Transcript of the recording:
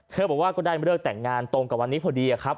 บอกว่าก็ได้เลิกแต่งงานตรงกับวันนี้พอดีครับ